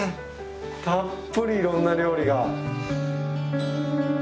たっぷりいろんな料理が。